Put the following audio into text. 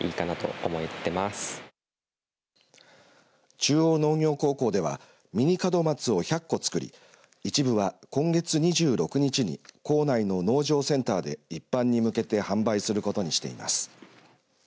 中央農業高校ではミニ門松を１００個作り一部は今月２６日に校内の農場センターで一般に向けて販売することにしています。